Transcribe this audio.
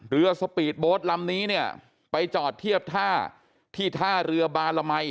สปีดโบสต์ลำนี้เนี่ยไปจอดเทียบท่าที่ท่าเรือบาลมัย